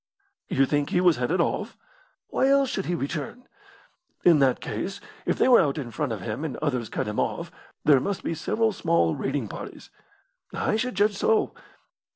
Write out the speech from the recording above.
"You think he was headed off?" "Why else should he return?" "In that case, if they were out in front of him and others cut him off, there must be several small raiding parties." "I should judge so."